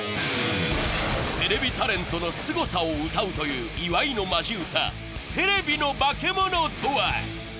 テレビタレントのすごさを歌うという岩井のマジ歌『テレビのバケモノ』とは？